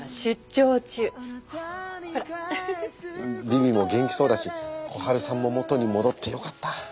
ビビも元気そうだし小春さんも元に戻ってよかった。